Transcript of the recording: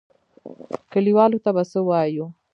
کليوالو ته به څه وايو.